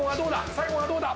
最後がどうだ？